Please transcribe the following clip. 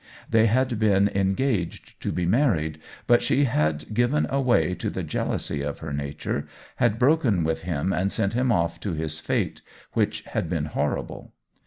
They had been en gaged to be married, but she had given way to the jealousy of her nature — had broken with him and sent him off to his fate, which had been horrible.